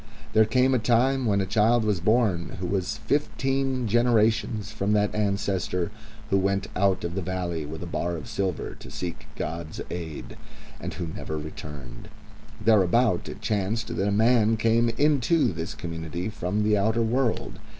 There came a time when a child was born who was fifteen generations from that ancestor who went out of the valley with a bar of silver to seek God's aid, and who never returned. Thereabouts it chanced that a man came into this community from the outer world.